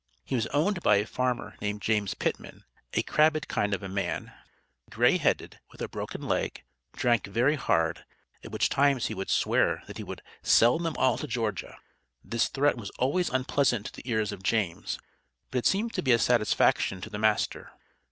He was owned by a farmer named James Pittman, a "crabid kind of a man," grey headed, with a broken leg; drank very hard, at which times he would swear that he would "sell them all to Georgia;" this threat was always unpleasant to the ears of James, but it seemed to be a satisfaction to the master.